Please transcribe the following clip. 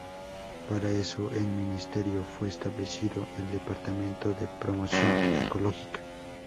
Para eso en Ministerio fue establecido el Departamento de promoción ecológica.